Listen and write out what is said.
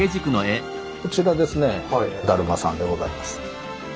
こちらですね達磨さんでございます。